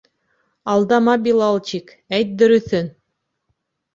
Алдама, Билалчик, әйт дөрөҫөн.